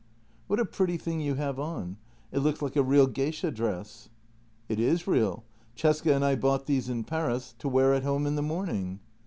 " What a pretty thing you have on. It looks like a real geisha dress." " It is real. Cesca and I bought these in Paris to wear at home in the morning."